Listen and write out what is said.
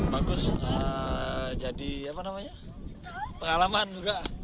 bagus jadi pengalaman juga